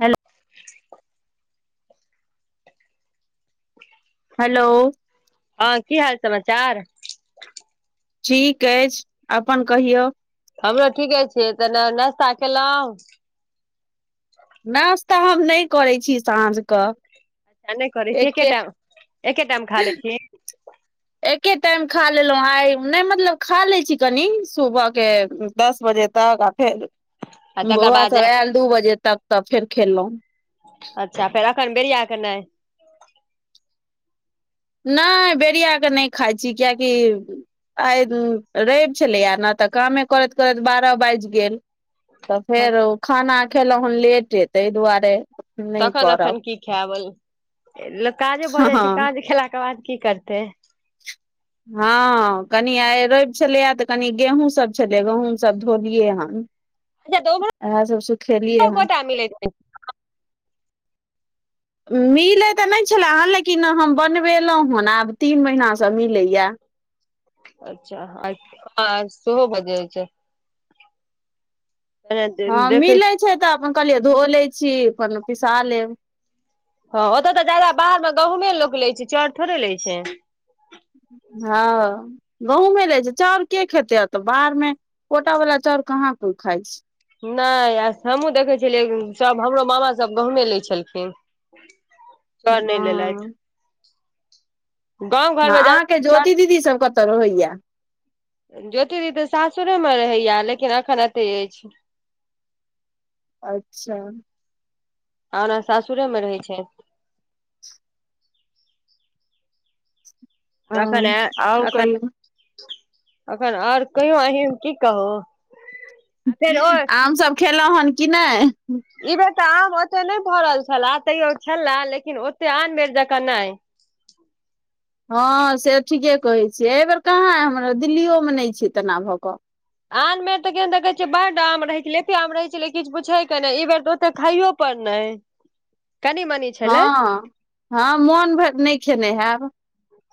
hello [inaudible] hello हँ की हाल समाचार ठीक अछि अपन कहियौ हमरो ठीके छै तऽ नाश्ता केलहुँं नश्ता हम नहि करै छी साँझक अच्छा नहि करै छी एके टाइम एके टाइम खा लै छी एके टाइम खा लेलहुँ आइ नहि मतलब खा लैत छी कनि सुबहके दस बजे तक आ फेर आ तकर बौआ बाद सब जा आयल दू बजे तक तऽ फेर खेलहुँ अच्छा फेर रखन बेरीया के नै नहि बेरिया क नहि खाइ छी कियेकि आइ रवि छलैया ने तऽ कामे करैत करैत बारह बाजि गेल तऽ फेर खाना खेलहुँ हेन लेटे ताहि दुआरे नहि तखन अखन करब की खायब काजे भऽ जाइ हँ छै काज खेला के बाद की करतै [inaudible] हँ कनि आइ रवि छलैए तऽ कनी गेहूँसभ छलै गहुँम सभ धोलियै हेन अच्छा तऽ उम्हरो इएह सभ सुखेलियै हन गोटा मिलैत छै मिलैत तऽ नहि छलए हन लेकिन हम बनबेलहुँ हेन आब तीन महीनासँ मिलैए अच्छा सो [unintelligible] बाजे हो छै छै हँ देखै मिलै छै तऽ अपन कहलियै धो लै छी अपन पिसा लेब हाँ ओतय तऽ ज्यादा बाहर मे गहुँमे लोक लै छै चाउर थोड़े लै छै हाँ गहुँमे लै छै चाउर के खेतै अतऽ बाहर मे कोटा वाला चाउर कहाँ कोइ खाय छै नहि आ हमहुँ देखै छलियै सब हमरो मामा सब गहुँमे लै छलखिन चाउर नहि लेलथि हँ गाँव घरमे अहाँ के जादा ज्योति दीदी सब कत रहैया ज्योति दीदी तऽ सासुरे मे रहैया लेकिन एखन एते अछि अच्छा और ओ सासुरे मे रहै छैथ हँ अखन ये आओर अखन कहियौ अखन आओर कहियो अहीम की कहू आ फेर ओ आम सभ खेलहुँ हन कि नहि ई बेर तऽ आम ओते नहि फरल छले तैयो छले लेकिन ओते आन बेर जकाँ नेय हाँ से ठीके कहै छियै एहि बेेर कहाँ हमरा दिल्ली यो मे नहि छै तेना भऽ कऽ आन बेर तऽ देखय छिए आम मे तऽ केहन देखै छियै बड्ड आम रहै छै एते आम रहै छलै किछ पुछेके नहि ई बेर तऽ ओते खइयो पर नहि कनि मनी छै हँ हँ मोन भरि नहि खेने हैब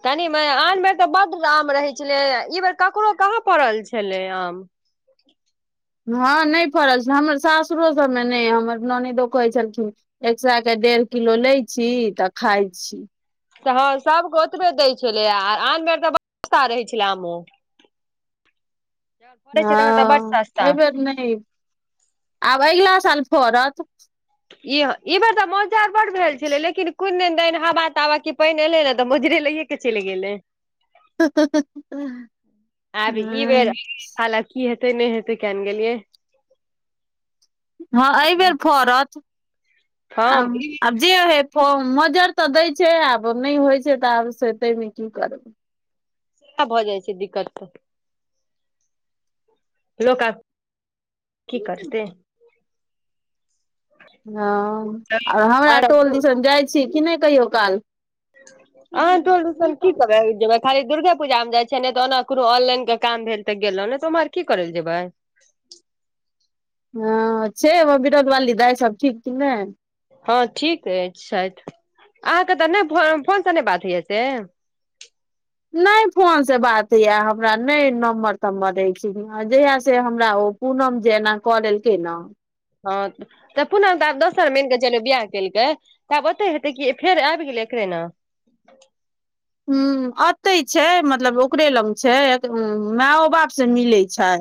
तनी मे आन बेर तऽ बड्ड आम रहै छलै ई बेर ककरो कहाँ पड़ल छलै आम हँ नहि फड़ल हमर सासुरो सबमे नहि हमर ननैदो कहै छलखिन एक सै के डेढ़ किलो लै छी तऽ खाय छी तऽ हँ सभ के ओतबे दै छेलै आनबेर तऽ ब [unintelligible] रहै छलै आमो [inaudible] फड़ै छै तखन तऽ बड हाँ सस्ता एहिबेर नहि आब अगिला साल फड़त ईह ई बेर तऽ मोजा बड्ड भेल छले लेकिन कऽ हवा तावा के पान एले ने तऽ मोजरे लऽ चलि गेलै आब ई बेर हँ हाला की हेतै नहि हेतै कियाने गेलियै हाँ एहिबेर फड़त हँ आब ई आब जे होेय फ मज्जर तऽ दै छै आब नहि होइ छै तऽ आब से ताहि मे की करबै भऽ जाइ छै दिक्कत तऽ लोक आब की करतै हँ आ हमरा आर टोल दिसन जाइ छी कि नै कहियो काल आ हां टोल दीसन की करै ले जेबै खाली दुर्गे पूजा मे जाइ छियै नै तऽ ओना कोनो ऑनलाइन के काम भेल तऽ गेलहु ने तऽ उम्हर की कर लए जेबै हाँ छै हमर विरौल वाली दाइ सब ठीक कि नै हाँ ठीक अछि चैल अहाँ के तऽ नै फोन सँ नै बात होइय से नै फोन सँ बात यए हमरा नै नम्बर तम्बर रहैछि जहिया सँ हमरा ओ पूनम जे एना कऽ लेलकै न हँ तऽ पुनम तऽ आब दोसर मन कऽ चल बियाह केल कै तब ओते हेतै कि फेर आबि गेलै एकरे ने हूं अतै छै मतलब ओकरे लग छै मैयो बाप से मिलै छै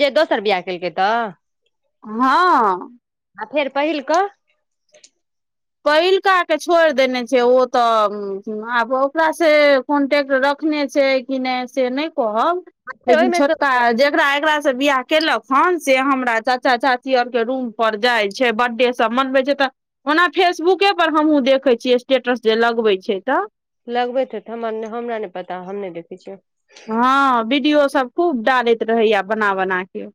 जे दोसर बियाह केलकै तऽ हँ आ फेर पहिलकऽ पहिलका के छोड़ि देने छै ओ तऽ आब ओकासे कॉन्टेक्ट रखने छै कि नै से नै कहब आ फेर लेकिन ओहिमे तऽ छोटका एकरा एकरा से बियाह केलक हन से हमरा चाचा चाची आउर के रूम पर जाय छै बर्डे सब मनबै छै तऽ ओना फेसबुके पर हमहुॅं देखै छियै स्टेटस जे लगबै छै तऽ लगबैत हेतै हमर हमरा नै पता हम नै देखै छियै हाँ वीडियो सब खूब डालैत रहैया बना बना के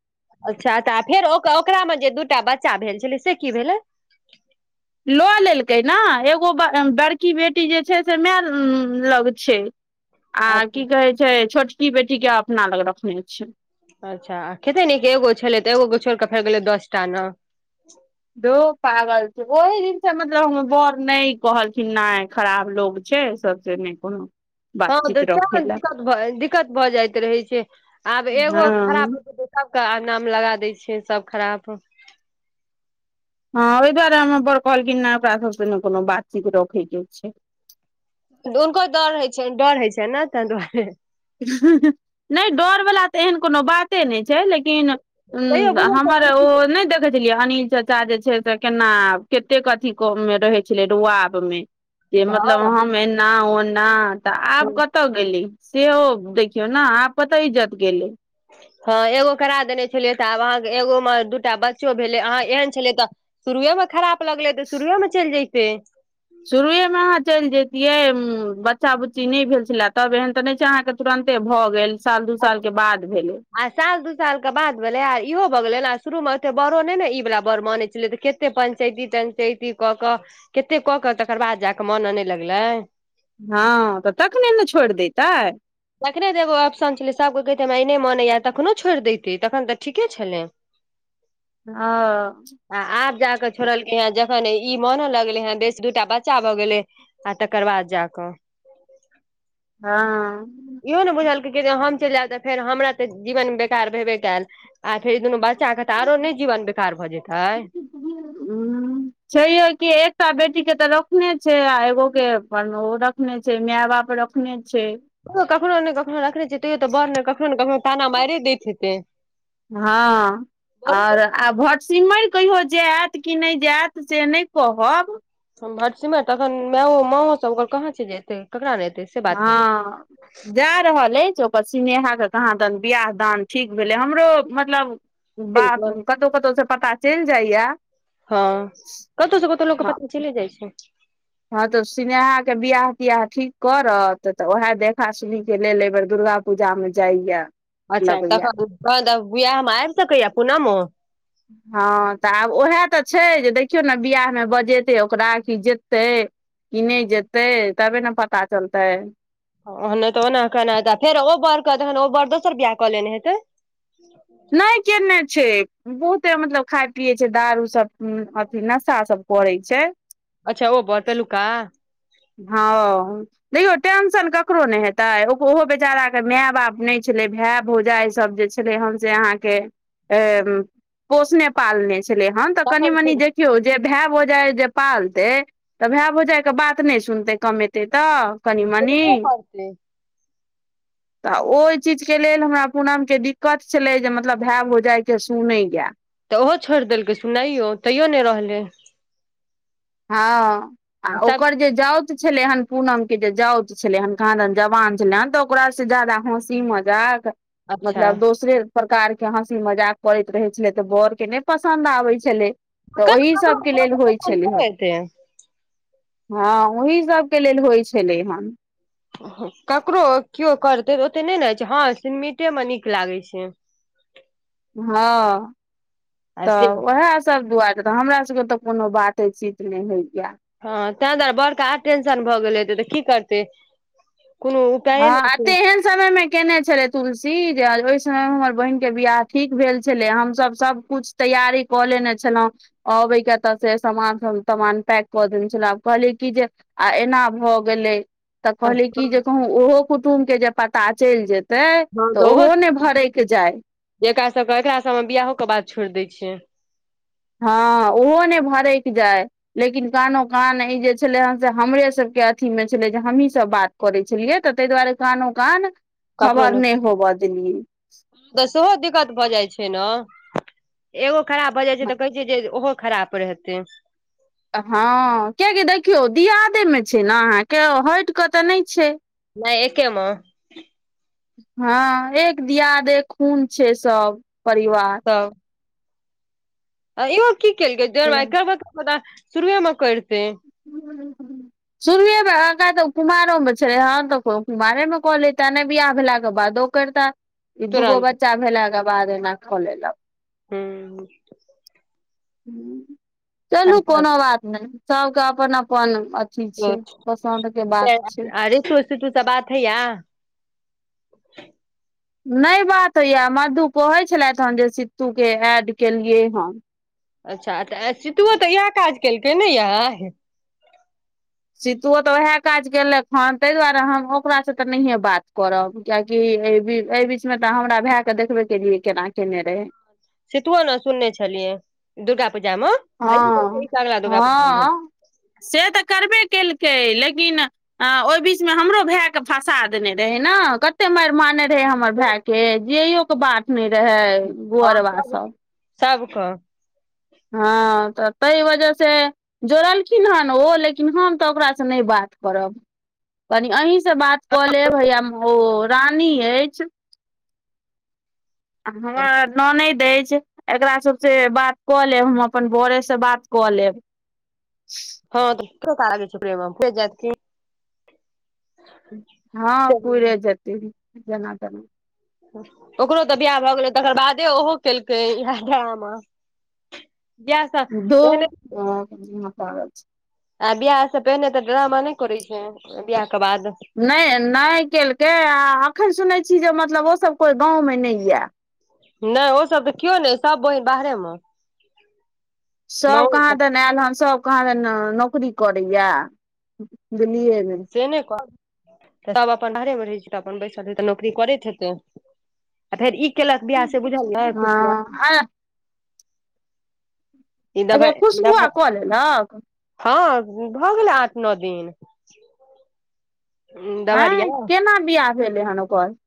अच्छा तऽ फेर ओकरा मे जे दूटा बच्चा भेल छलै से की भेलै लऽ लेलकै न एगो बड़ बड़की बेटी जे छै से मैय लग छै आ अच्छा की कहै छै छोटकी बेटी के अपना लग रखने छिय अच्छा खेते नऽ एगो छलै तऽ एोगो छोड़िकऽ फेर गेलै दस टा न धौ पागल छै ओहि दिनसँ मतलब हम बर नै कहलखिन नै खराब लोग छै सब से नै कोनो हँ बातचीत तऽ सब रखे ने लए दिक्कत दिक्कत भऽ जाइत रहे छै आब एगो खराब हँ सब के क नाम लगा दै छे सब खराब हँ ओहि दुआरे हम बर कहलखिन नै ओकरा सबसँ ने कोनो बातचीत रखैके छै हुनको दर डर होइ छै डर होइ छै ने ताहि दुआरे हं नै डर वाला तऽ एहन कोनो बाते नै छै लेकिन हूं तैयो बुझै हमर ओ नै देख कहै छलियै अनिल चाचा जे छै से केना कतेक अथी मे रहै छलै रुआब मे के मतलब हँ हम एना ओना तऽ आब कतय गेलै सेहो देखियौ न आ कतऽ इज्जत गेलै हँ एगो करा देने छलियै तऽ आब अहाँके एगो मे दूटा बच्चो भेलै अहाँ एहन छलै तऽ शुरुएमे खराप लगलै तऽ शुरुएमे चलि जैतै शुरुएमे अहाँ चलि जैतियै बच्चा बुच्ची नै भेल छलए त एहन तऽ नै छै अहाँके तुरंते भऽ गेल साल दू साल के बाद भेलै आ साल दू साल के बाद भेले आ इहो भऽ गेलै आ शुरू मे ओते बड़ो नै ने ई वालला बड़ मानैत छलै तऽ खे कते पंचैती तंचैती कऽ क केते क के तकर बाद जा कऽ मान्न नै लगले हँ तऽ तखने न छोड़ि देैतै तखने जेऽ एगो ऑप्शन छलै सभके कहितै हमरा ई नै मनेया तखनो छोड़ि देैतै तखन तऽ ठीके छलै आ ओ आ आब जाकऽ छोड़लकै ह़ं जखन ई मोनो लगलै हेँ बेस दू टा बच्चा भऽ गेलै आ तकर बाद जा कऽ हँ इहो ने बुझलकै कि हम चलि जायब तऽ फेर हमरा तऽ जीवन बेकार भेबे कयल आ फेर ई दुनू बच्चा के तऽ आरो नै जीवन बेकार भऽ जेतै हुं छै यौ कि एकटा बेटी के तऽ रखने छै आ एगो के अपन ओ रख नै छै मैय बाप रखने छै कखनो ने कखनो रखने छै तैयो तऽ बर ने कखनो कखनो ताना मारि दैत हेतै हाँ आ आर आ भटसिमैर कहियो जायत कि नै जायत से नै कहब भटसिमे तखन मैओ मांओ सब ओकर कहाँ छै एतै केकरा ले एते हा जा रहल अछि ओ पर स्नेहा के कहाँ दन बियाह दान ठीक भेलै हमरो मतलब बात कतौ कतौ से पता चलि जाइया हँ कतौ स कतौ लोक क हँ पता चलि जाइ छै हँ तऽ स्नेहा के बियाह तियाह ठीक करत तऽ उएह देखा सुनी के लेल एहिबेर दुर्गा पूजा मे जाइया अच्छा लगैया तखन तन तऽ बियाह में आबि सकैया पुनमो हँ तऽ आब उएह तऽ छै जे देखियौ ने बिआह मे बजेतै ओकरा कि जे तै कि नै जेतै तबे न पता चलतै ओहने तऽ ओना कहना हेतै फेर ओ बर कन ओ बर दोसर बियाह कऽ लेने हेतै नै केने छै बहुते मतलब खाय पियए छै दारू सब अथी नशा सब करै छै अच्छा ओ बर पलुका हँ देखौ टेंशन ककरो ने हेतै ओहो बेचारा के माय बाप नै छलै भाय भौजा सब जे छलै हम से अहाँ के अ्म पोसने पालने छै चेलैहन कनि तखन मनि फेर देखियौ जे भाय भौजाई जे पालतै त भाय भौजाई के बात त नै सुनतै कमेतै तऽ कनि मनि बतेलबो पड़तै तऽ ओहि चीजके लेल हमरा पूनम के दिक्कत छलै जे मतलब भाय भौजाइके सुनैया तऽ ओहो छोड़ि देलकै सुमनैयो तैयो नै रहलै हँ आ ओकर जे जाउत छलै हन पूनम के जे जाउत छलै हन कहाँ दन जवान छलै हन तऽ ओकरा से जादा हँसी मजाक अच्छा मतलब दोसरे प्रकार के हँसी मजाक करैत रहै छलै तऽ बड़ के नै पसन्द आबै छेलै तऽ ओही सभ के लेल होइ छलै हन हँ ओहि सबके लेल होइ छलै हन ककरो केओ करतै तऽ ओते नै ने होइ छै हँ सिमिटे मे नीक लागै छै हँ से तऽ उएह सब दुआ देत हमरा सबके तऽ कोनो बाते चीत नै होइया हँ ताहि दुआरे बड़के आर टेंशन भऽ गेल हेतै तऽ की करतै कोनो हँ उपाये नहि आ छै तेहेन समय मे केने छलै तुलसी जे आई ओहि समय मे हमर बहिन के बियाह ठीक भेल छलै हमसब सब कुछ तैयारी कऽ लेने छलहुँ अबै के तऽ से समान तमान पैक कऽ देने छलाह आब कहलियै कि जे आ एना भऽ गेलै तऽ कहलियै की जे कहूँ ओहो कुटुमके जे पता चलि जेतै तै तऽ ओहो ने भरइक जाय एकरा सबके एकरा सबमे बियाहो के बाद छोड़ि दै छियै हँ ओहो ने भरकि जाय लेकिन कानो कान ई जे छलै हन से हमरे सभके अथीमे छलै जे हमहीं सभ बात करै छलियै तऽ तग दुआरे कानो कान खबर नइ होबऽ देलियै गैऽ सेहो दिक्कत भऽ जाइ छै ने एगो खराब भऽ जाइ छै तऽ कहै छैै जे ओहो खराब रहतै अब हँ कियाकि देखियौ दियादेमे छै ने अहाँके हटि कऽ तऽ नइ छै नहि एके में हँ एक दियाद एक खून छै सब परिवार तऽ आ इहो कि केलकै जे रे से माइ करब के रहौ त शुरुए म करतै [unintelligible] शुरुए में एकरा तऽ कुमारों मे छलै हन तऽ ओ कुमारे मे कऽ लैता नै बियाह भेलाके बादो कैरते दूगो तुरन्त बच्चा भेलाके बाद एना कऽ लेलक हँ चलू कोनो बात नहि सबके अपन अपन ठीक छै पसन्द के बात छै सित्तू से बात होइय नै बात होइया मधु कहै छलथि हे जे सित्तू के एड केलियै हम अच्छा तऽ आ सितुओ तऽ इएह काज केलकै नै यए सीतुओ तऽ ओएह काज केलक हन ताहि दुआरे हम ओकरा से तऽ नहिये बात करब कियाकि एहि बी एहि बीच मे तऽ हमरा भाए के देखबे केलियै केना केने रहैय सितुओ नले सुनने छेलियै दुर्गा पूजा में हँ हँ से तऽ करबे केलकै लेकिन ह ओइ बीच मे हमरो भाय के फंसा देने रहै न कते मारि मारने से हमर भाय के जिययौ के बात नहि रहै हँ सब सब क हँ तऽ ताहि वजह से जोड़लखिन हन ने ओ लेकिन हम तऽ ओकरासँ नहि बात करब कनी अहीं से बात कऽ लेब हैया ओ रानी अछि हमरा ननेद अछि एकरा सबसे बात कऽ लेब हम अपन बरे से बात कऽ लेब हँा प्रेम [unintelligible] हँ पूइरे जेतै जेना तेना ओकरो तऽ बियाह भऽ गेलै तेकर बादे ओहो केलकै इहे ड्रामा गस त [unintelligible] धुनों पागल छै आ बियाह से पहिने तऽ ड्रामा नहि करै छै बियाह क बाद नहि नहि केलकै आ अखन सुनै छी जे मतलब ओ सब कोई गाँव में नहि यए नइ ओ सब तऽ केओ नइ सब बहिन बाहरे मे सब कहाँ दन आयल हन सब कहांदन नौकरी करैये दिल्लीेए में से नइ करब तब अपन बाहरे मे रहै छै तऽ अपन बैसल हेै तऽ नौकरी करैत हेतै आ फेर ई केलक बियाह से बुझलियै खुशबुआ हँ ई अच्छा दबाइ खुशबुआ दबाई कऽ लेलक हॅं भऽ गेलै आठ नो दिन दभरिया आंई केना बियाह भेलै हन ओकर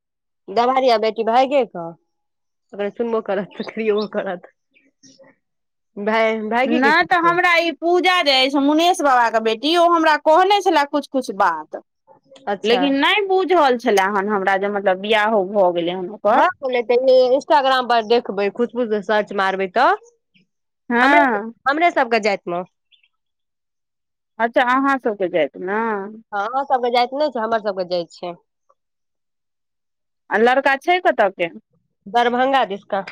दवारिया बेटी भाइगे क अखन सुनबो करत त गरियेबो करत भाय भायगे न त् तऽ के हमरा ई पूजा जे अछि मुनेश बाबा के बेटी ओ हमरा कहने छलै कुछ कुछ बात अच्छा लेकिन नै बुझल छलै हन हमरा जे मतलब बियाहो भऽ गेलै हन ओकर भक लेतै ए इंस्टाग्राम पर देखबै खुशबु से सर्च मारबै तऽ हमरे हँ हमरे सबके जातिमे अच्छा अहाँ सबके जाइत मे अहाँ सबके जाइत नै छै हमर सबके जाइत छै आ लड़का छै कतऽ के दरभंगा दिसका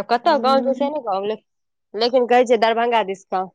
आब कतहु गाँव छै हूँ से ने गाँव लेकिन कहै छै दरभंगा दिस गाँव